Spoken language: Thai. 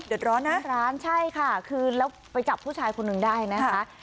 ร้อนหน้าร้านใช่ค่ะคือแล้วไปจับผู้ชายคนหนึ่งได้นะคะ